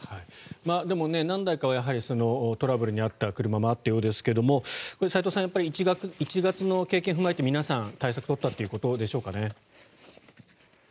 でも何台かはトラブルに遭った車もあったようですけども、齋藤さん１月の経験を踏まえて皆さん、対策を取ったということでしょうかね。